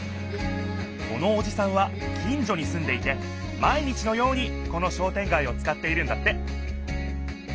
このおじさんは近所にすんでいて毎日のようにこの商店街をつかっているんだって